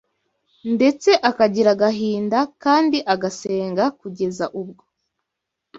ndetse akagira agahinda kandi agasenga, kugeza ubwo